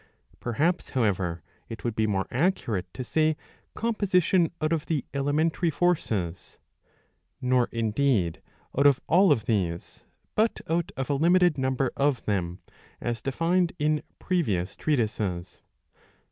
Perhaps however it would be more accurate to say composition out of the elementary forces ;' nor indeed out of all of these, but out of a limited number of them, as defined in previous treatises.